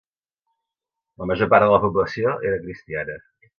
La major part de la població era cristiana.